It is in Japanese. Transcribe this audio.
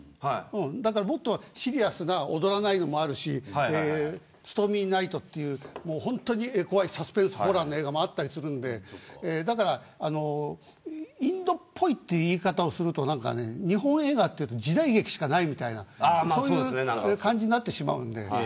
もっとシリアスな踊らないのもあるしストーミー・ナイトという本当に怖いサスペンスホラーの映画もあったりするんでだから、インドっぽいという言い方をすると日本映画っていうと時代劇しかないみたいなそういう感じになってしまうので。